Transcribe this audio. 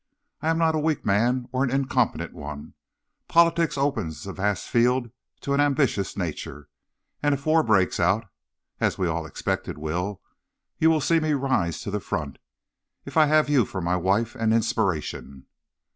I am not a weak man or an incompetent one. Politics opens a vast field to an ambitious nature, and if war breaks out, as we all expect it will, you will see me rise to the front, if I have you for my wife and inspiration.'